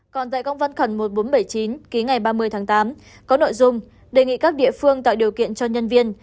còn tại công văn khẩn một nghìn bốn trăm bảy mươi chín ký ngày ba mươi tháng tám có nội dung đề nghị các địa phương tạo điều kiện cho nhân viên